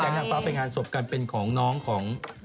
แก๊งทางฟ้าเป็นงานสอบกันเป็นของน้องของ